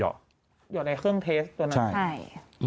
หย่อในเครื่องเทสตัวนั้นใช่อืม